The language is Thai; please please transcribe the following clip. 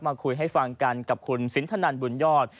คุยให้ฟังกันกับคุณสินทนันบุญยอด